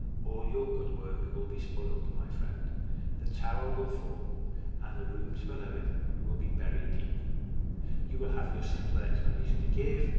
All your good work will be spoiled, my friend. This tower will fall, LOCRIS OF THE TOWER 213 and the rooms below it will be buried deep. You will have your simple explanation to give.